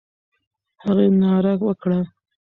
هغې ناره وکړه.